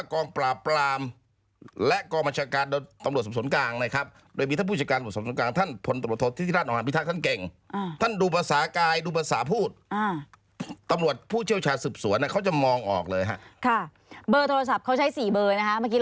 เขาใช้ทั้งหมดสี่เบอร์